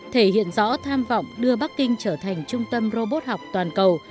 thể hiện rõ tham vọng đưa bắc kinh trở thành trung tâm robot học toàn cầu